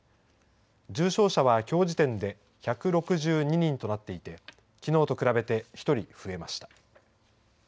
重症者はきょう時点で１６２人となっていてきのうと比べて１人増えました。